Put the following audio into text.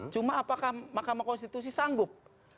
cuma apakah mahkamah konstitusi sanggup